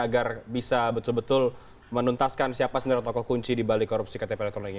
agar bisa betul betul menuntaskan siapa sebenarnya tokoh kunci di balik korupsi ktp elektronik ini